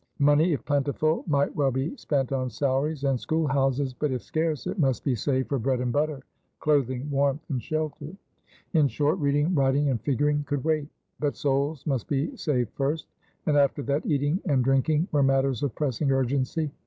Money if plentiful might well be spent on salaries and schoolhouses; but if scarce, it must be saved for bread and butter, clothing, warmth, and shelter. In short, reading, writing, and figuring could wait; but souls must be saved first; and after that eating and drinking were matters of pressing urgency.